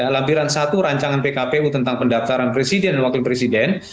lampiran satu rancangan pkpu tentang pendaftaran presiden dan wakil presiden